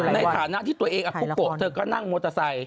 ในฐานะที่ตัวเองอะภูเบาะเกาะเธอก็นั่งมอเตอร์ไซส์